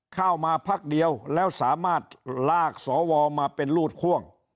พักเดียวแล้วสามารถลากสวมาเป็นรูดค่วง